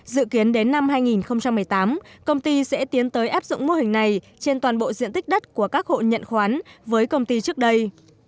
dự kiến đến năm hai nghìn một mươi tám công ty sẽ tiến tới áp dụng mô hình này trên toàn bộ diện tích đất của các hộ nhận khoán với công ty trước đây